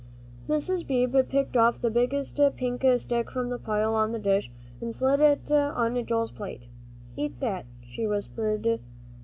Mrs. Beebe picked off the biggest pink stick from the pile on the dish and slid it on Joel's plate. "Eat that," she whispered.